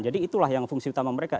jadi itulah yang fungsi utama mereka